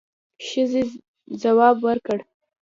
ښځې ځواب ورکړ.